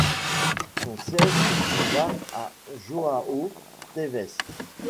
Son siège se trouve à João Teves.